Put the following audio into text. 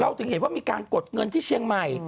ถึงเห็นว่ามีการกดเงินที่เชียงใหม่